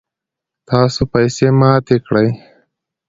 تاسو پیسی ماتی کړئ